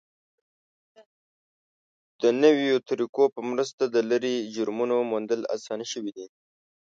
د نویو طریقو په مرسته د لرې جرمونو موندل اسانه شوي دي.